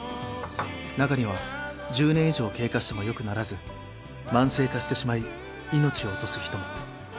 中には１０年以上経過しても良くならず慢性化してしまい命を落とす人も。